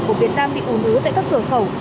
của việt nam bị ồn ứa tại các cửa khẩu